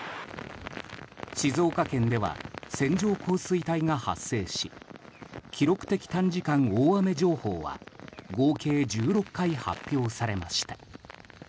静岡県では線状降水帯が発生し記録的短時間大雨情報は合計１６回発表されました。